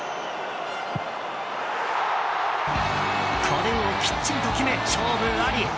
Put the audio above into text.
これをきっちりと決め勝負あり。